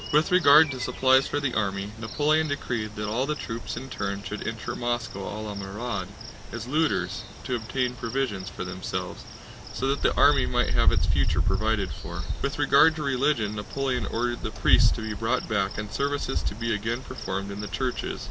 With regard to supplies for the army, Napoleon decreed that all the troops in turn should enter Moscow à la maraude * to obtain provisions for themselves, so that the army might have its future provided for. * As looters. With regard to religion, Napoleon ordered the priests to be brought back and services to be again performed in the churches.